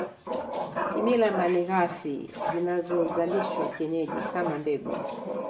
Kimila malighafi zinazozalishwa kienyeji kama mbegu